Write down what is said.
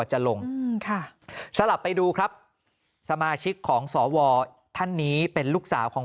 จะลงค่ะสลับไปดูครับสมาชิกของสวท่านนี้เป็นลูกสาวของ